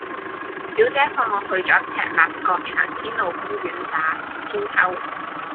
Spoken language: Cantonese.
表姐放學去左赤鱲角翔天路公園打韆鞦